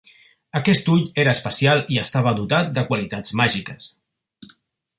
Aquest ull era especial i estava dotat de qualitats màgiques.